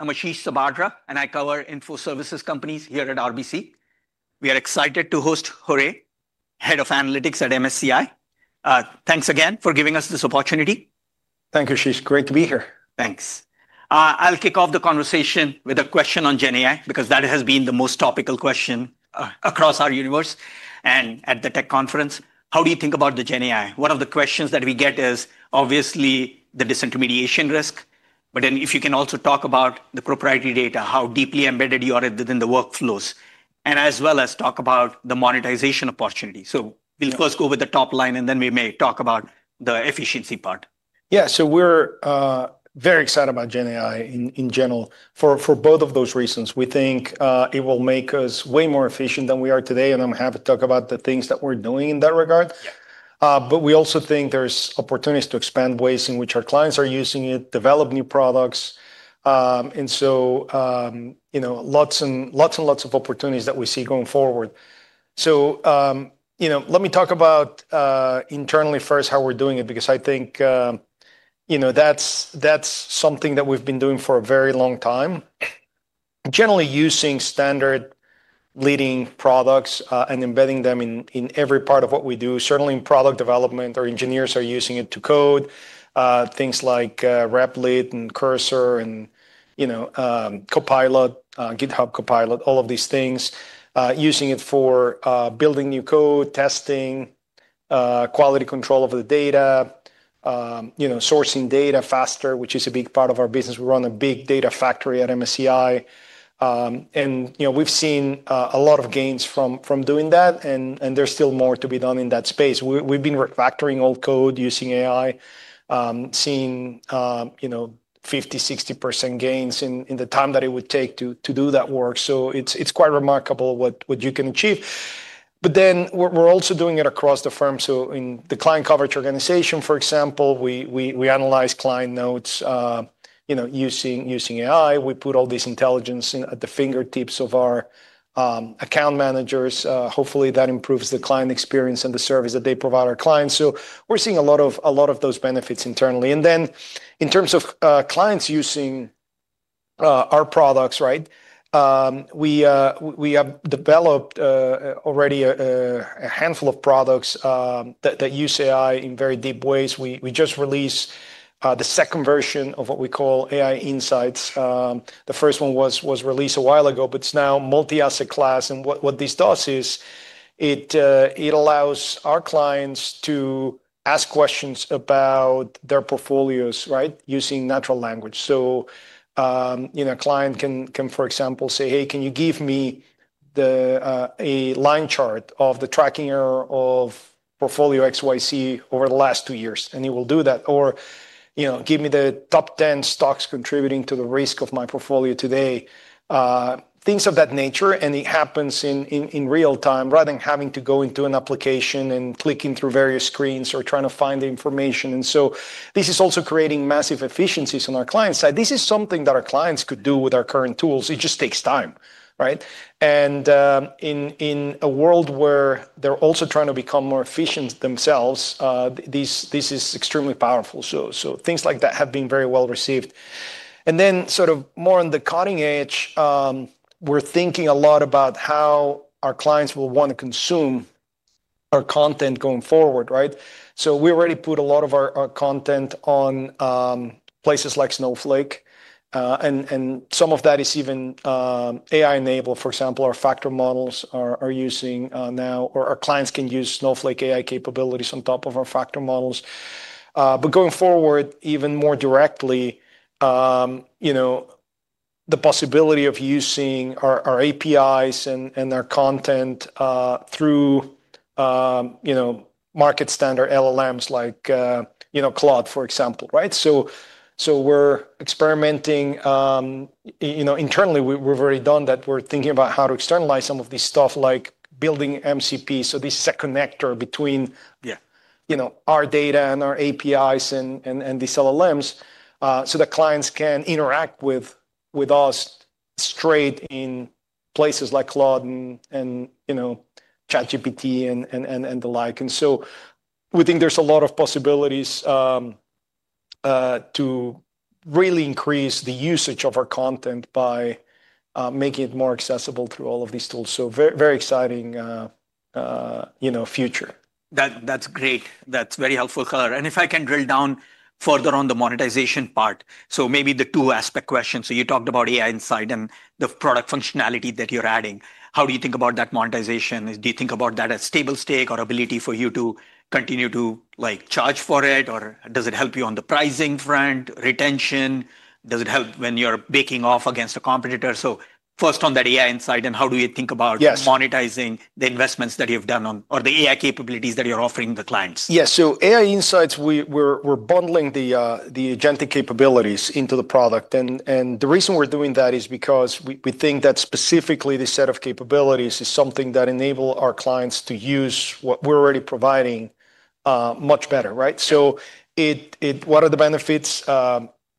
I'm Ashish Subadra, and I cover infoservices companies here at RBC. We are excited to host Jorge, Head of Analytics at MSCI. Thanks again for giving us this opportunity. Thank you, Ashish. Great to be here. Thanks. I'll kick off the conversation with a question on GenAI, because that has been the most topical question across our universe and at the Tech Conference. How do you think about the GenAI? One of the questions that we get is, obviously, the disintermediation risk. If you can also talk about the proprietary data, how deeply embedded you are within the workflows, and as well as talk about the monetization opportunity. We'll first go with the top line, and then we may talk about the efficiency part. Yeah, so we're very excited about GenAI in general for both of those reasons. We think it will make us way more efficient than we are today, and I'm happy to talk about the things that we're doing in that regard. We also think there's opportunities to expand ways in which our clients are using it, develop new products. Lots and lots of opportunities that we see going forward. Let me talk about internally first how we're doing it, because I think that's something that we've been doing for a very long time. Generally using standard leading products and embedding them in every part of what we do, certainly in product development, our engineers are using it to code things like Replit and Cursor and Copilot, GitHub Copilot, all of these things, using it for building new code, testing, quality control of the data, sourcing data faster, which is a big part of our business. We run a big data factory at MSCI. We have seen a lot of gains from doing that, and there's still more to be done in that space. We have been refactoring old code using AI, seeing 50%-60% gains in the time that it would take to do that work. It is quite remarkable what you can achieve. We are also doing it across the firm. In the client coverage organization, for example, we analyze client notes using AI. We put all this intelligence at the fingertips of our account managers. Hopefully, that improves the client experience and the service that they provide our clients. We are seeing a lot of those benefits internally. In terms of clients using our products, we have developed already a handful of products that use AI in very deep ways. We just released the second version of what we call AI Insights. The first one was released a while ago, but it is now multi-asset class. What this does is it allows our clients to ask questions about their portfolios using natural language. A client can, for example, say, "Hey, can you give me a line chart of the tracking error of portfolio XYZ over the last two years?" and it will do that. Give me the top 10 stocks contributing to the risk of my portfolio today," things of that nature. It happens in real time, rather than having to go into an application and clicking through various screens or trying to find the information. This is also creating massive efficiencies on our client side. This is something that our clients could do with our current tools. It just takes time. In a world where they're also trying to become more efficient themselves, this is extremely powerful. Things like that have been very well received. More on the cutting edge, we're thinking a lot about how our clients will want to consume our content going forward. We already put a lot of our content on places like Snowflake. Some of that is even AI-enabled. For example, our factor models are using now, or our clients can use Snowflake AI capabilities on top of our factor models. Going forward, even more directly, the possibility of using our APIs and our content through market-standard LLMs like Claude, for example. We're experimenting. Internally, we've done that, we're thinking about how to externalize some of this stuff, like building MCP, this connector between our data and our APIs and these LLMs, so that clients can interact with us straight in places like Claude and ChatGPT and the like. We think there's a lot of possibilities to really increase the usage of our content by making it more accessible through all of these tools. Very exciting future. That's great. That's very helpful, Jorge. If I can drill down further on the monetization part, maybe the two-aspect question. You talked about AI Insights and the product functionality that you're adding. How do you think about that monetization? Do you think about that as a stable stake or ability for you to continue to charge for it? Or does it help you on the pricing front, retention? Does it help when you're backing off against a competitor? First on that AI Insight, how do you think about monetizing the investments that you've done or the AI capabilities that you're offering the clients? Yeah, so AI Insights, we're bundling the agentic capabilities into the product. The reason we're doing that is because we think that specifically this set of capabilities is something that enables our clients to use what we're already providing much better. What are the benefits?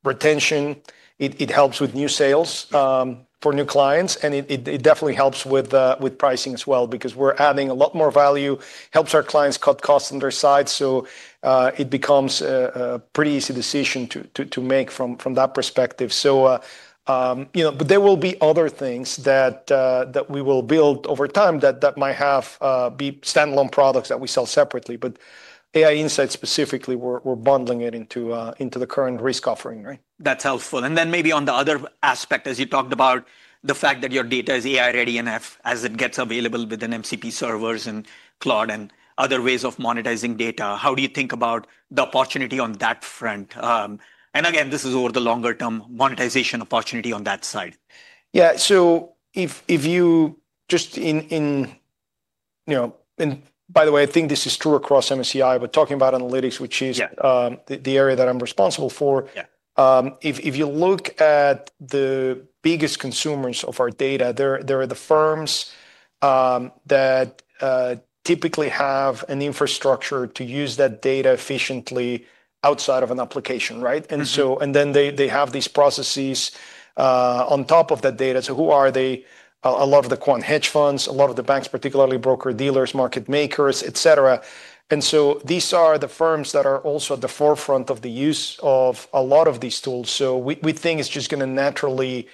Retention, it helps with new sales for new clients. It definitely helps with pricing as well, because we're adding a lot more value, helps our clients cut costs on their side. It becomes a pretty easy decision to make from that perspective. There will be other things that we will build over time that might have standalone products that we sell separately. AI Insights specifically, we're bundling it into the current risk offering. That's helpful. Maybe on the other aspect, as you talked about the fact that your data is AI-ready enough as it gets available within MCP servers and Claude and other ways of monetizing data, how do you think about the opportunity on that front? Again, this is over the longer-term monetization opportunity on that side. Yeah, so if you just in, by the way, I think this is true across MSCI. We're talking about analytics, which is the area that I'm responsible for. If you look at the biggest consumers of our data, there are the firms that typically have an infrastructure to use that data efficiently outside of an application. They have these processes on top of that data. Who are they? A lot of the quant hedge funds, a lot of the banks, particularly broker-dealers, market makers, et cetera. These are the firms that are also at the forefront of the use of a lot of these tools. We think it's just going to naturally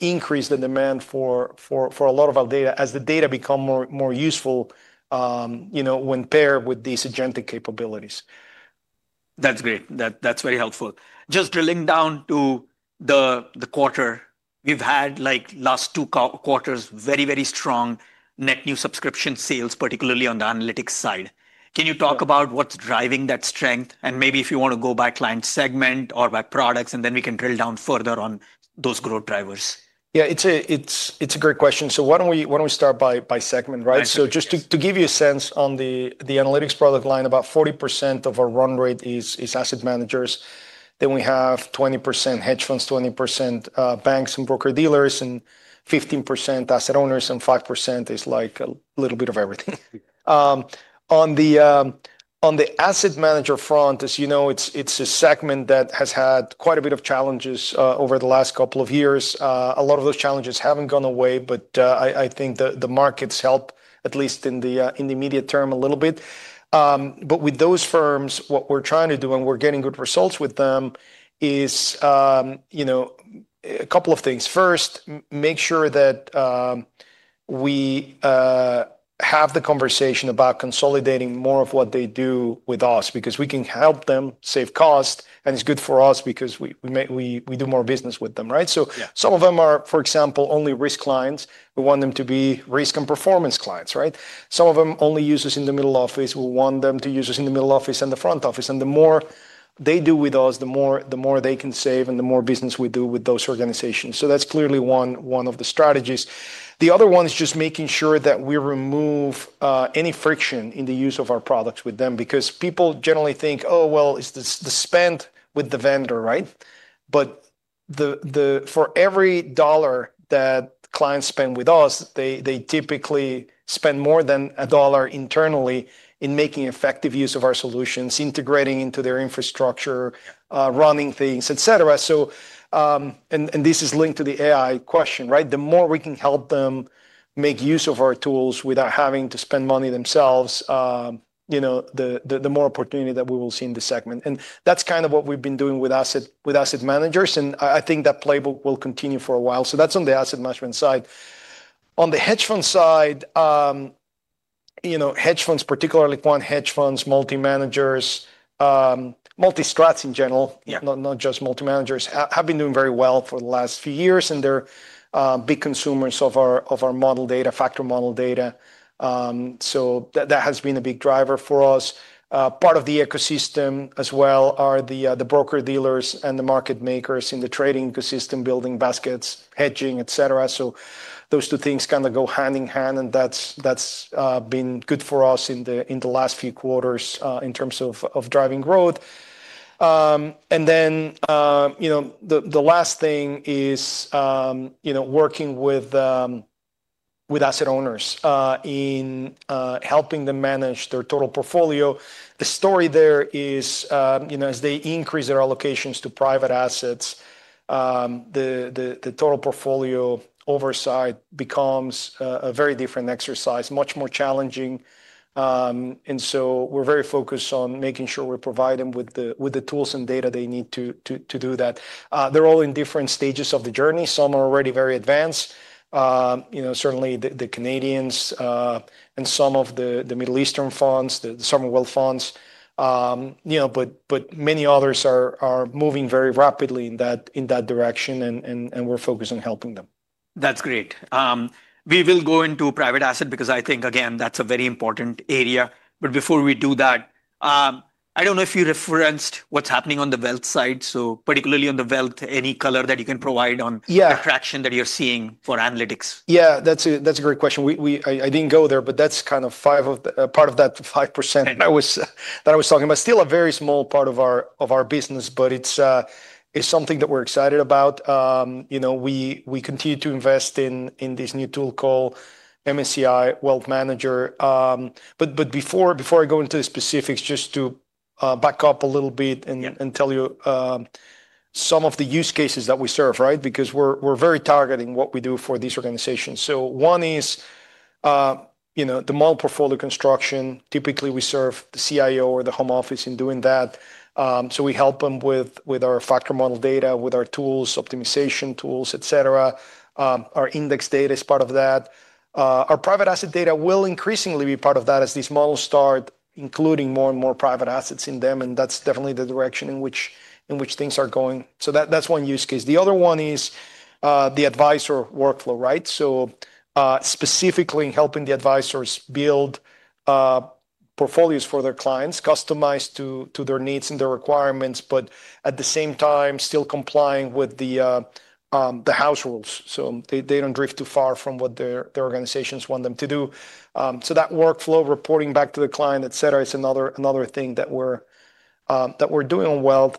increase the demand for a lot of our data as the data becomes more useful when paired with these agentic capabilities. That's great. That's very helpful. Just drilling down to the quarter, we've had last two quarters very, very strong net new subscription sales, particularly on the analytics side. Can you talk about what's driving that strength? Maybe if you want to go by client segment or by products, and then we can drill down further on those growth drivers. Yeah, it's a great question. Why don't we start by segment? Just to give you a sense on the analytics product line, about 40% of our run rate is asset managers. Then we have 20% hedge funds, 20% banks and broker-dealers, 15% asset owners, and 5% is like a little bit of everything. On the asset manager front, as you know, it's a segment that has had quite a bit of challenges over the last couple of years. A lot of those challenges haven't gone away, but I think the markets help, at least in the immediate term, a little bit. With those firms, what we're trying to do, and we're getting good results with them, is a couple of things. First, make sure that we have the conversation about consolidating more of what they do with us, because we can help them save cost, and it's good for us because we do more business with them. Some of them are, for example, only risk clients. We want them to be risk and performance clients. Some of them only use us in the middle office. We want them to use us in the middle office and the front office. The more they do with us, the more they can save and the more business we do with those organizations. That's clearly one of the strategies. The other one is just making sure that we remove any friction in the use of our products with them, because people generally think, "Oh, well, it's the spend with the vendor." For every dollar that clients spend with us, they typically spend more than a dollar internally in making effective use of our solutions, integrating into their infrastructure, running things, et cetera. This is linked to the AI question. The more we can help them make use of our tools without having to spend money themselves, the more opportunity that we will see in the segment. That is kind of what we've been doing with asset managers. I think that playbook will continue for a while. That is on the asset management side. On the hedge fund side, hedge funds, particularly quant hedge funds, multi-managers, multi-strats in general, not just multi-managers, have been doing very well for the last few years. They're big consumers of our model data, factor model data. That has been a big driver for us. Part of the ecosystem as well are the broker-dealers and the market makers in the trading ecosystem, building baskets, hedging, et cetera. Those two things kind of go hand in hand. That's been good for us in the last few quarters in terms of driving growth. The last thing is working with asset owners in helping them manage their total portfolio. The story there is, as they increase their allocations to private assets, the total portfolio oversight becomes a very different exercise, much more challenging. We are very focused on making sure we provide them with the tools and data they need to do that. They are all in different stages of the journey. Some are already very advanced, certainly the Canadians and some of the Middle Eastern funds, the Commonwealth funds. Many others are moving very rapidly in that direction, and we are focused on helping them. That's great. We will go into private asset because I think, again, that's a very important area. Before we do that, I don't know if you referenced what's happening on the wealth side. Particularly on the wealth, any color that you can provide on the traction that you're seeing for analytics. Yeah, that's a great question. I didn't go there, but that's kind of part of that 5% that I was talking about. Still a very small part of our business, but it's something that we're excited about. We continue to invest in this new tool called MSCI Wealth Manager. Before I go into the specifics, just to back up a little bit and tell you some of the use cases that we serve, because we're very targeting what we do for these organizations. One is the model portfolio construction. Typically, we serve the CIO or the home office in doing that. We help them with our factor model data, with our tools, optimization tools, et cetera. Our index data is part of that. Our private asset data will increasingly be part of that as these models start including more and more private assets in them. That is definitely the direction in which things are going. That is one use case. The other one is the advisor workflow, specifically in helping the advisors build portfolios for their clients, customized to their needs and their requirements, but at the same time, still complying with the house rules. They do not drift too far from what their organizations want them to do. That workflow, reporting back to the client, et cetera, is another thing that we are doing well.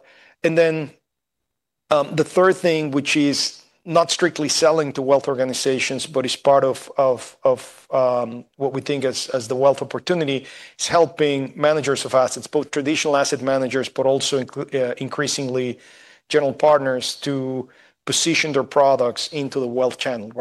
The third thing, which is not strictly selling to wealth organizations, but is part of what we think as the wealth opportunity, is helping managers of assets, both traditional asset managers, but also increasingly general partners to position their products into the wealth channel.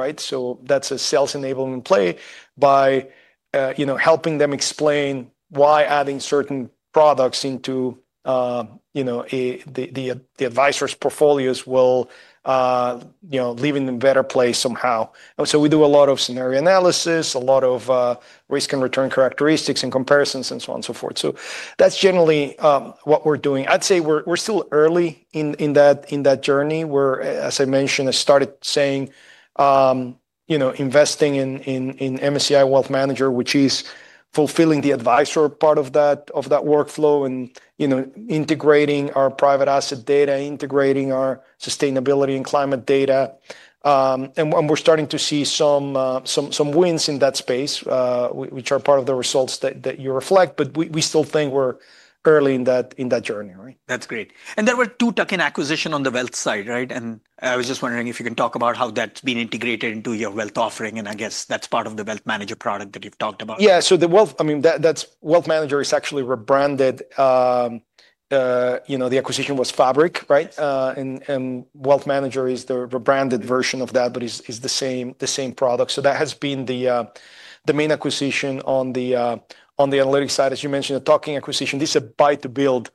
That's a sales-enabling play by helping them explain why adding certain products into the advisors' portfolios will leave them in a better place somehow. We do a lot of scenario analysis, a lot of risk and return characteristics and comparisons and so on and so forth. That's generally what we're doing. I'd say we're still early in that journey. As I mentioned, I started saying investing in MSCI Wealth Manager, which is fulfilling the advisor part of that workflow and integrating our private asset data, integrating our sustainability and climate data. We're starting to see some wins in that space, which are part of the results that you reflect. We still think we're early in that journey. That's great. There were two token acquisitions on the wealth side. I was just wondering if you can talk about how that's been integrated into your wealth offering. I guess that's part of the Wealth Manager product that you've talked about. Yeah, so the wealth, I mean, that's Wealth Manager is actually rebranded. The acquisition was Fabric. And Wealth Manager is the rebranded version of that, but it's the same product. That has been the main acquisition on the analytics side. As you mentioned, the token acquisition, this is a buy-to-build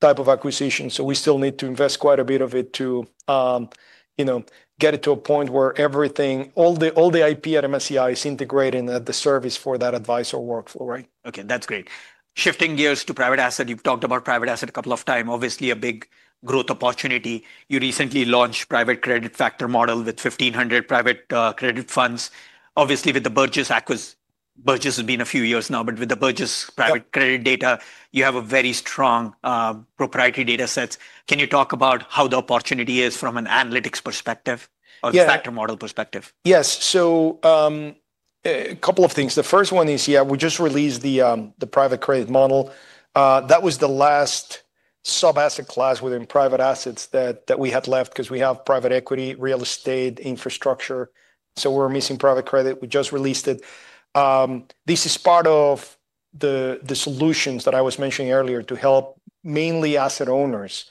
type of acquisition. We still need to invest quite a bit of it to get it to a point where everything, all the IP at MSCI is integrated at the service for that advisor workflow. Okay, that's great. Shifting gears to private asset, you've talked about private asset a couple of times. Obviously, a big growth opportunity. You recently launched private credit factor model with 1,500 private credit funds. Obviously, with the Burgiss, Burgiss has been a few years now. But with the Burgiss private credit data, you have very strong proprietary data sets. Can you talk about how the opportunity is from an analytics perspective or factor model perspective? Yes. So a couple of things. The first one is, yeah, we just released the private credit model. That was the last sub-asset class within private assets that we had left because we have private equity, real estate, infrastructure. So we were missing private credit. We just released it. This is part of the solutions that I was mentioning earlier to help mainly asset owners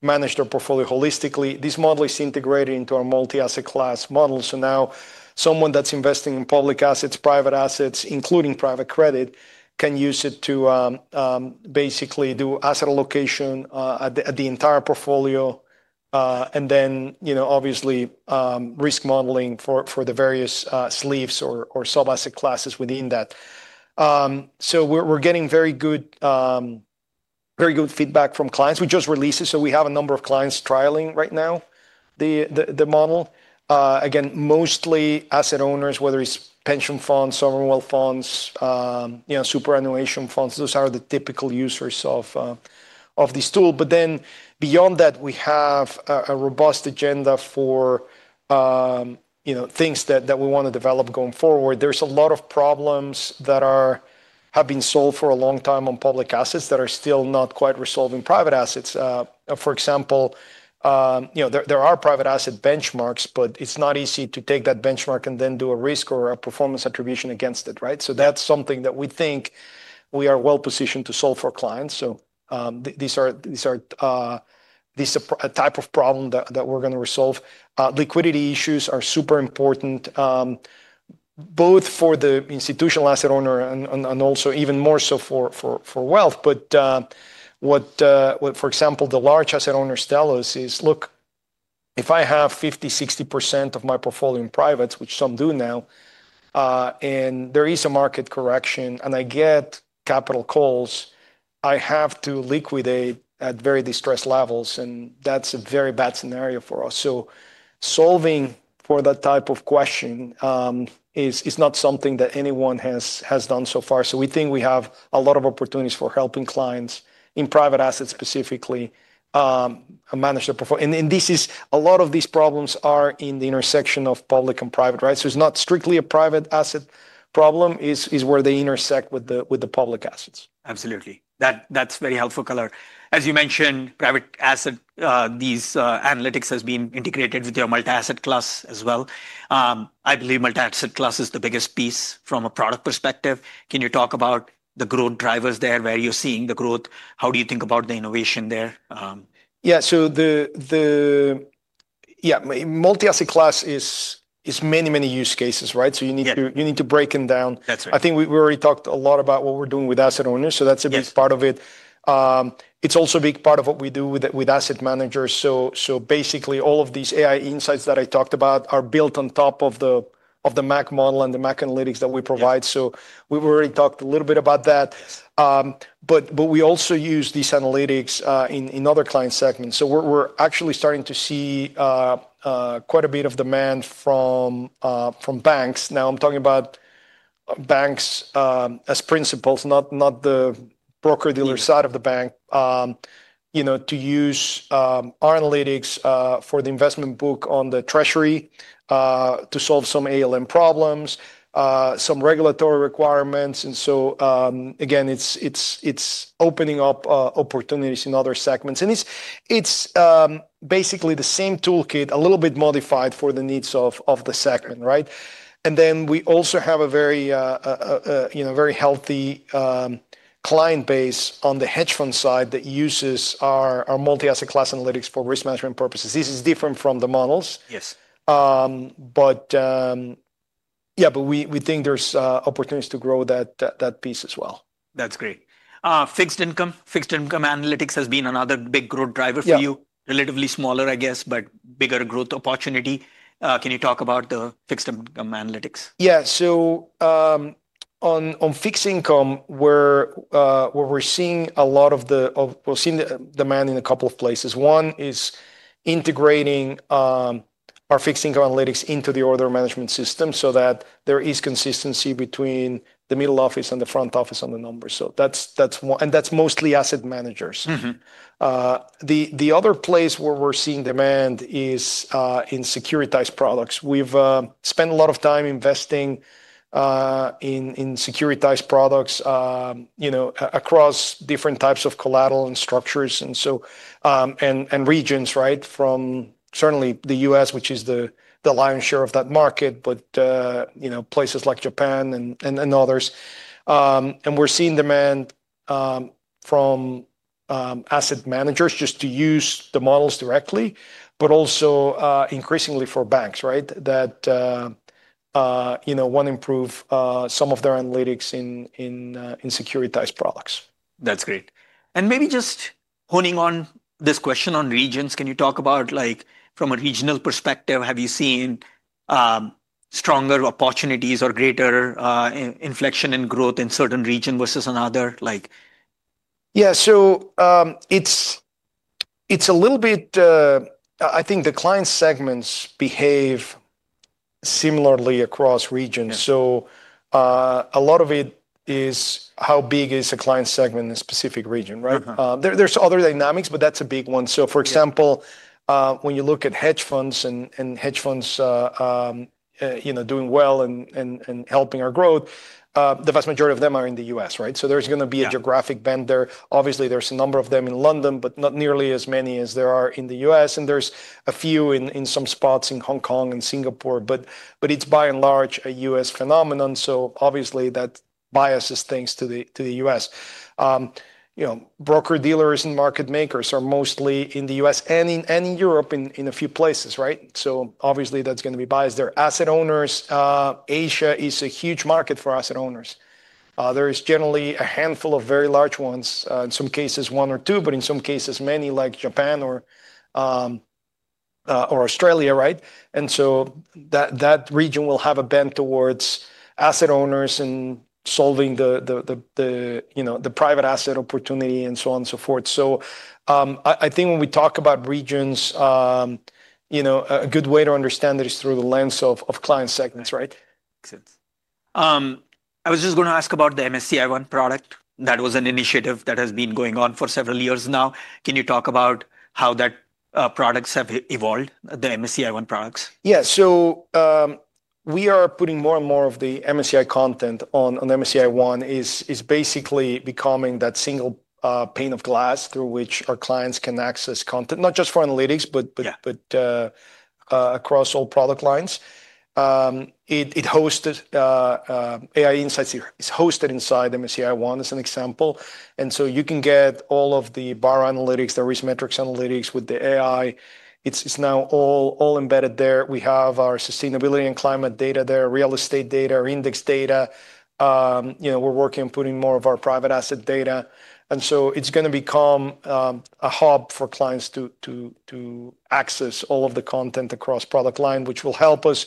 manage their portfolio holistically. This model is integrated into our multi-asset class model. Now someone that's investing in public assets, private assets, including private credit, can use it to basically do asset allocation at the entire portfolio. Obviously, risk modeling for the various sleeves or sub-asset classes within that. We're getting very good feedback from clients. We just released it. We have a number of clients trialing right now the model. Again, mostly asset owners, whether it's pension funds, sovereign wealth funds, superannuation funds, those are the typical users of this tool. Beyond that, we have a robust agenda for things that we want to develop going forward. There's a lot of problems that have been solved for a long time on public assets that are still not quite resolving private assets. For example, there are private asset benchmarks, but it's not easy to take that benchmark and then do a risk or a performance attribution against it. That is something that we think we are well positioned to solve for clients. This is a type of problem that we're going to resolve. Liquidity issues are super important, both for the institutional asset owner and also even more so for wealth. What, for example, the large asset owners tell us is, "Look, if I have 50%-60% of my portfolio in privates, which some do now, and there is a market correction, and I get capital calls, I have to liquidate at very distressed levels." That is a very bad scenario for us. Solving for that type of question is not something that anyone has done so far. We think we have a lot of opportunities for helping clients in private assets specifically manage their portfolio. A lot of these problems are in the intersection of public and private. It is not strictly a private asset problem; it is where they intersect with the public assets. Absolutely. That's very helpful, Color. As you mentioned, private asset, these analytics have been integrated with your multi-asset class as well. I believe multi-asset class is the biggest piece from a product perspective. Can you talk about the growth drivers there, where you're seeing the growth? How do you think about the innovation there? Yeah, multi-asset class is many, many use cases. You need to break them down. I think we already talked a lot about what we're doing with asset owners. That's a big part of it. It's also a big part of what we do with asset managers. Basically, all of these AI Insights that I talked about are built on top of the MAC model and the MAC analytics that we provide. We've already talked a little bit about that. We also use these analytics in other client segments. We're actually starting to see quite a bit of demand from banks. Now I'm talking about banks as principals, not the broker-dealer side of the bank, to use our analytics for the investment book on the treasury to solve some ALM problems, some regulatory requirements. It is opening up opportunities in other segments. It is basically the same toolkit, a little bit modified for the needs of the segment. We also have a very healthy client base on the hedge fund side that uses our multi-asset class analytics for risk management purposes. This is different from the models. We think there are opportunities to grow that piece as well. That's great. Fixed income analytics has been another big growth driver for you. Relatively smaller, I guess, but bigger growth opportunity. Can you talk about the fixed income analytics? Yeah. On fixed income, we're seeing a lot of the, we're seeing demand in a couple of places. One is integrating our fixed income analytics into the order management system so that there is consistency between the middle office and the front office on the numbers. That's one. That's mostly asset managers. The other place where we're seeing demand is in securitized products. We've spent a lot of time investing in securitized products across different types of collateral and structures and regions from certainly the U.S., which is the lion's share of that market, but places like Japan and others. We're seeing demand from asset managers just to use the models directly, but also increasingly for banks that want to improve some of their analytics in securitized products. That's great. Maybe just honing on this question on regions, can you talk about from a regional perspective, have you seen stronger opportunities or greater inflection in growth in certain regions versus another? Yeah. So it's a little bit, I think the client segments behave similarly across regions. So a lot of it is how big is a client segment in a specific region. There's other dynamics, but that's a big one. For example, when you look at hedge funds and hedge funds doing well and helping our growth, the vast majority of them are in the U.S. There's going to be a geographic bend there. Obviously, there's a number of them in London, but not nearly as many as there are in the U.S. There's a few in some spots in Hong Kong and Singapore. By and large, it's a U.S. phenomenon. Obviously, that biases things to the U.S. Broker-dealers and market makers are mostly in the U.S. and in Europe in a few places. Obviously, that's going to be biased. There are asset owners. Asia is a huge market for asset owners. There is generally a handful of very large ones, in some cases one or two, but in some cases many, like Japan or Australia. That region will have a bend towards asset owners and solving the private asset opportunity and so on and so forth. I think when we talk about regions, a good way to understand it is through the lens of client segments. Makes sense. I was just going to ask about the MSCI One product. That was an initiative that has been going on for several years now. Can you talk about how that products have evolved, the MSCI One products? Yeah. We are putting more and more of the MSCI content on MSCI One. It is basically becoming that single pane of glass through which our clients can access content, not just for analytics, but across all product lines. It hosts AI Insights here. It is hosted inside MSCI One as an example. You can get all of the bar analytics, the risk metrics analytics with the AI. It is now all embedded there. We have our sustainability and climate data there, real estate data, index data. We are working on putting more of our private asset data. It is going to become a hub for clients to access all of the content across product line, which will help us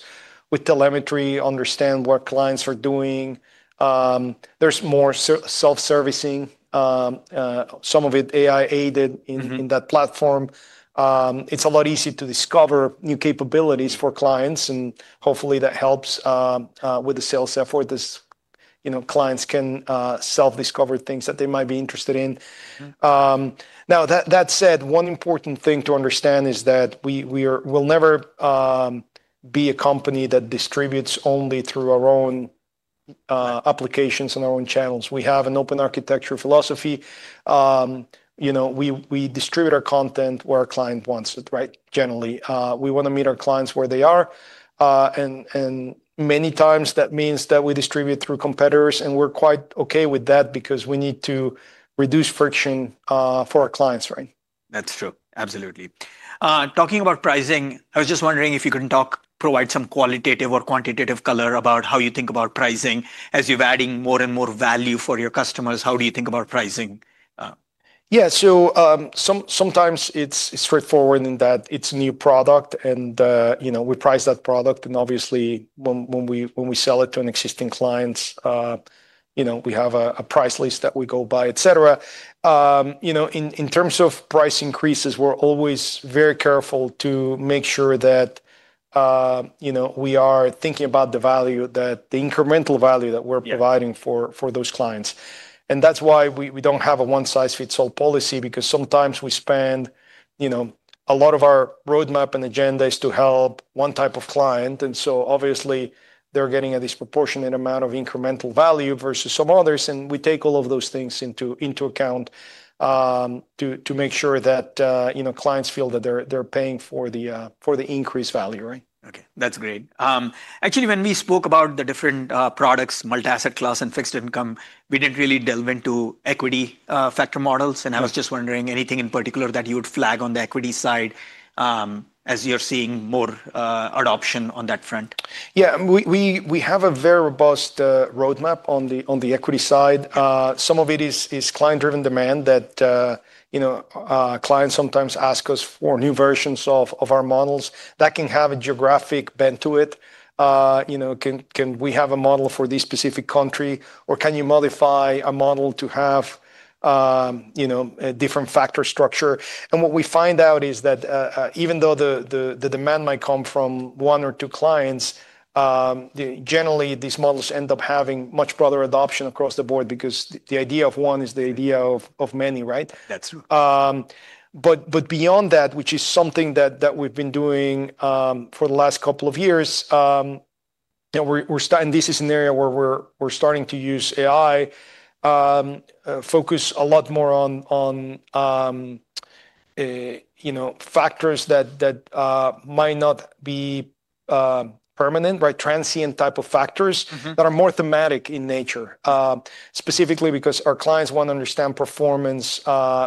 with telemetry, understand what clients are doing. There is more self-servicing, some of it AI-aided in that platform. It is a lot easier to discover new capabilities for clients. Hopefully, that helps with the sales effort as clients can self-discover things that they might be interested in. That said, one important thing to understand is that we will never be a company that distributes only through our own applications and our own channels. We have an open architecture philosophy. We distribute our content where our client wants it, generally. We want to meet our clients where they are. Many times, that means that we distribute through competitors. We are quite okay with that because we need to reduce friction for our clients. That's true. Absolutely. Talking about pricing, I was just wondering if you could provide some qualitative or quantitative color about how you think about pricing as you're adding more and more value for your customers. How do you think about pricing? Yeah. Sometimes it is straightforward in that it is a new product. We price that product. Obviously, when we sell it to an existing client, we have a price list that we go by, et cetera. In terms of price increases, we are always very careful to make sure that we are thinking about the value, the incremental value that we are providing for those clients. That is why we do not have a one-size-fits-all policy because sometimes we spend a lot of our roadmap and agenda to help one type of client. Obviously, they are getting a disproportionate amount of incremental value versus some others. We take all of those things into account to make sure that clients feel that they are paying for the increased value. Okay. That's great. Actually, when we spoke about the different products, multi-asset class and fixed income, we didn't really delve into equity factor models. I was just wondering, anything in particular that you would flag on the equity side as you're seeing more adoption on that front? Yeah. We have a very robust roadmap on the equity side. Some of it is client-driven demand that clients sometimes ask us for new versions of our models. That can have a geographic bend to it. Can we have a model for this specific country? Or can you modify a model to have a different factor structure? What we find out is that even though the demand might come from one or two clients, generally, these models end up having much broader adoption across the board because the idea of one is the idea of many. That's true. Beyond that, which is something that we've been doing for the last couple of years, this is an area where we're starting to use AI, focus a lot more on factors that might not be permanent, transient type of factors that are more thematic in nature, specifically because our clients want to understand performance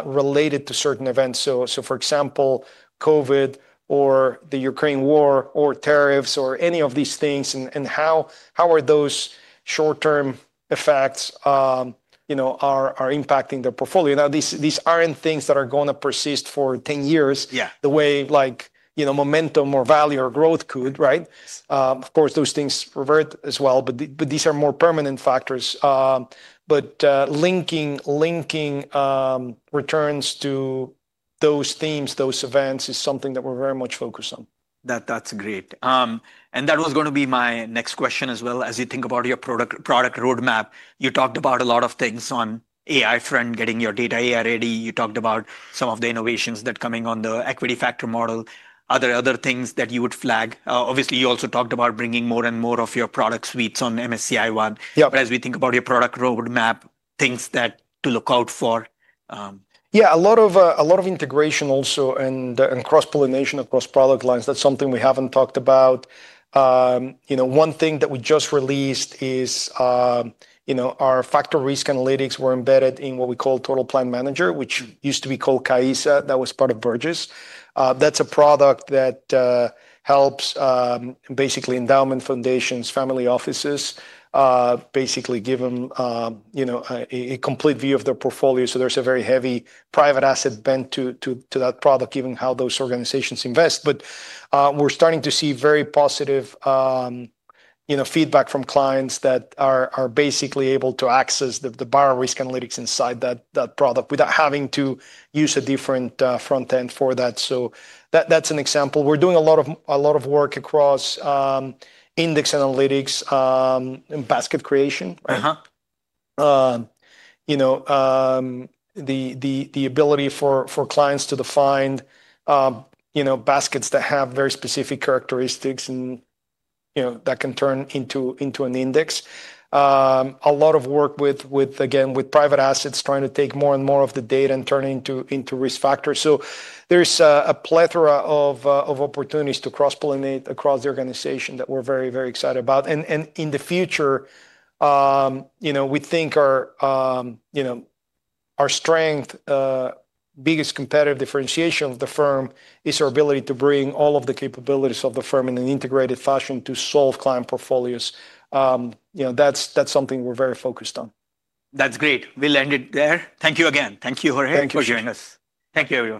related to certain events. For example, COVID or the Ukraine war or tariffs or any of these things, and how are those short-term effects impacting their portfolio? Now, these aren't things that are going to persist for 10 years the way momentum or value or growth could. Of course, those things revert as well. These are more permanent factors. Linking returns to those themes, those events is something that we're very much focused on. That's great. That was going to be my next question as well. As you think about your product roadmap, you talked about a lot of things on the AI front, getting your data AI ready. You talked about some of the innovations that are coming on the equity factor model, other things that you would flag. Obviously, you also talked about bringing more and more of your product suites on MSCI One. As we think about your product roadmap, things to look out for. Yeah, a lot of integration also and cross-pollination across product lines. That's something we haven't talked about. One thing that we just released is our factor risk analytics were embedded in what we call Total Plan Manager, which used to be called Cahesa. That was part of Burgiss. That's a product that helps basically endowment foundations, family offices, basically give them a complete view of their portfolio. So there's a very heavy private asset bend to that product, given how those organizations invest. We're starting to see very positive feedback from clients that are basically able to access the bar risk analytics inside that product without having to use a different front end for that. That's an example. We're doing a lot of work across index analytics and basket creation, the ability for clients to define baskets that have very specific characteristics that can turn into an index. A lot of work with, again, with private assets, trying to take more and more of the data and turn it into risk factors. There is a plethora of opportunities to cross-pollinate across the organization that we're very, very excited about. In the future, we think our strength, biggest competitive differentiation of the firm is our ability to bring all of the capabilities of the firm in an integrated fashion to solve client portfolios. That's something we're very focused on. That's great. We'll end it there. Thank you again. Thank you, Jorge, for joining us. Thank you. Thank you.